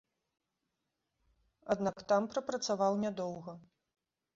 Аднак там прапрацаваў нядоўга.